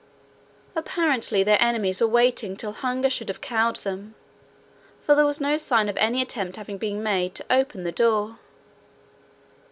Apparently their enemies were waiting till hunger should have cowed them, for there was no sign of any attempt having been made to open the door.